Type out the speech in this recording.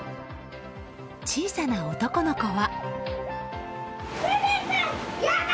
小さな男の子は。